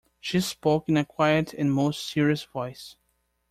She spoke in a quiet and most serious voice.